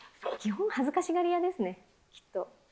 基本、恥ずかしがり屋ですね、きっと。